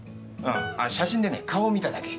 あ写真でね顔見ただけ。